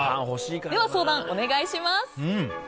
では、相談お願いします。